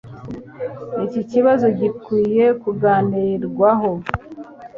Iki kibazo gikwiye kuganirwaho.